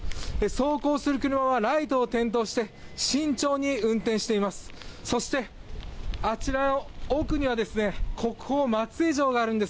走行する車はライトを点灯して慎重に運転しています。